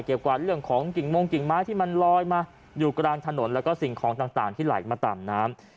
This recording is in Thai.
กว่าเรื่องของกิ่งมงกิ่งไม้ที่มันลอยมาอยู่กลางถนนแล้วก็สิ่งของต่างที่ไหลมาตามน้ำ